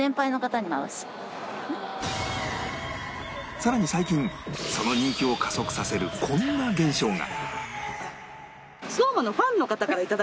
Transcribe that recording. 更に最近その人気を加速させるこんな現象が